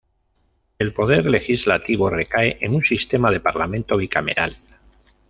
El poder legislativo recae en un sistema de Parlamento bicameral.